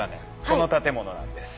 この建物なんです。